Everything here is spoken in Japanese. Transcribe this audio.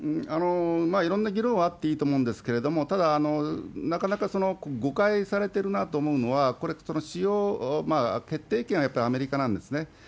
いろんな議論はあっていいと思うんですけども、ただ、なかなか誤解されてるなと思うのは、これ、使用決定権はやっぱりアメリカなんですね。